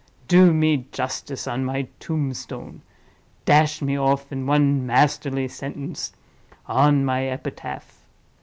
do me justice on my tombstone; dash me off, in one masterly sentence, on my epitaph.